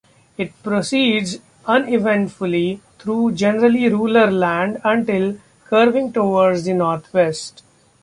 It proceeds uneventfully through generally rural land until curving towards the northwest.